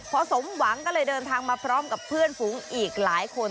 พอสมหวังก็เลยเดินทางมาพร้อมกับเพื่อนฝูงอีกหลายคน